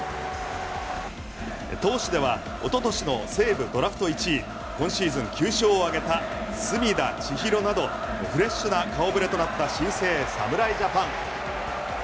投手では一昨年の西武ドラフト１位今シーズン９勝を挙げた隅田知一郎などフレッシュな顔ぶれとなった新生侍ジャパン。